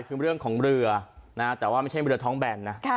คือเรื่องของเรือนะแต่ว่าไม่ใช่เรือท้องแบนนะ